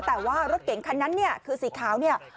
แต่ว่ารถเก๋งคันนั้นเนี่ยคือสีขาวเนี่ย